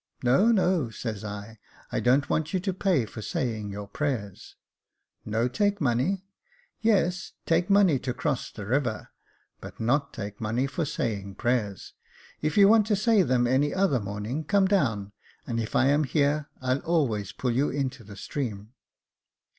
" No, no," said I, "I don't want you to pay for saying your prayers." *' No take money ?"*' Yes, take money to cross the river, but not take money for saying prayers. If you want to say them any other morning come down, and if I am here, I'll always pull you into the stream."